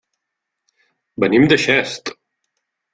Venim de Xest.